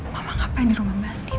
mama ngapain di rumah mba andin